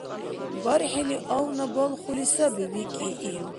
— БархӀили авна балхути саби, – викӀи ил.